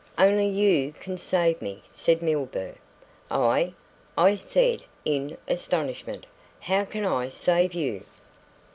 "'Only you can save me,' said Milburgh. "'I?' I said in astonishment, 'how can I save you?'